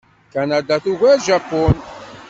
Kanada tugar Japun.